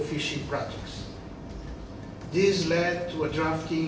ini menyebabkan penelitian dalam tahun dua ribu satu